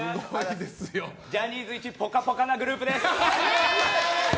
ジャニーズイチぽかぽかなグループです。